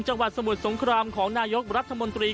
จังหวัดสมุทรสงครามของนายกรัฐมนตรี